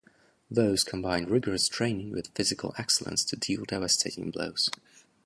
Those combine rigorous training with physical excellence to deal devastating blows.